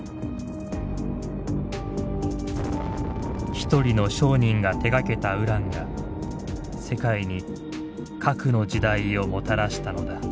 一人の商人が手がけたウランが世界に核の時代をもたらしたのだ。